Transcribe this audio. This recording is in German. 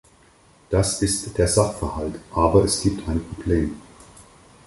Das ist der Sachverhalt, aber es gibt ein Problem.